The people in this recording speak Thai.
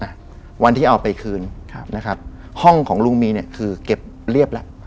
วันที่เอาไปคืนครับนะครับห้องของลุงมีเนี่ยคือเก็บเรียบแล้ว